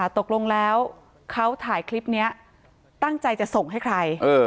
ตกลงแล้วเขาถ่ายคลิปนี้ตั้งใจจะส่งให้ใคร